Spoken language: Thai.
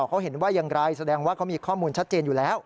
เขาเห็นว่าอย่างไรแสดงว่าเขามีข้อมูลชัดเจนอยู่แล้ว